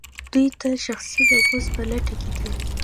دوی تل د شخصي نفوذ په لټه کې دي.